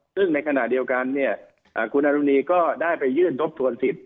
ซึ่งในขณะเดียวกันเนี่ยคุณอรุณีก็ได้ไปยื่นทบทวนสิทธิ